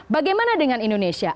bagaimana dengan indonesia